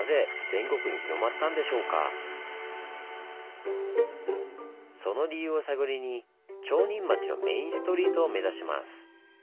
一体その理由を探りに町人町のメインストリートを目指します。